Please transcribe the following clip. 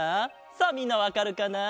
さあみんなわかるかな？